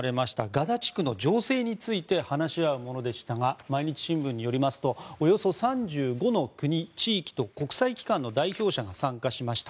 ガザ地区の情勢について話し合うものでしたが毎日新聞によりますとおよそ３５の国、地域と国際機関の代表者が参加しました。